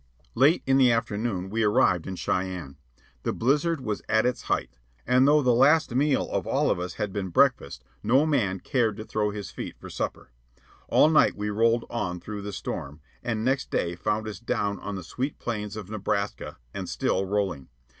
Late in the afternoon we arrived in Cheyenne. The blizzard was at its height, and though the last meal of all of us had been breakfast, no man cared to throw his feet for supper. All night we rolled on through the storm, and next day found us down on the sweet plains of Nebraska and still rolling.